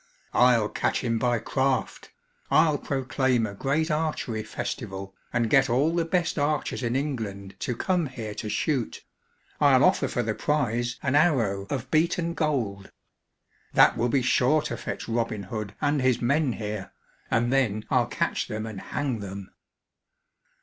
"I'll catch him by craft. I'll proclaim a great archery festival, and get all the best archers in England to come here to shoot. I'll offer for the prize an arrow of beaten gold. That will be sure to fetch Robin Hood and his men here, and then I'll catch them and hang them."